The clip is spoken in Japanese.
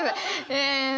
え。